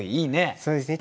そうですね